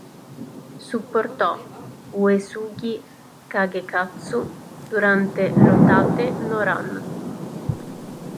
Supportò Uesugi Kagekatsu durante l"'Ōtate no Ran".